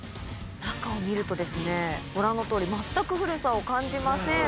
中を見るとご覧のとおり全く古さを感じません。